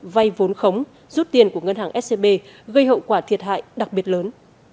vay vốn khống rút tiền của ngân hàng scb gây hậu quả thiệt hại đặc biệt lớn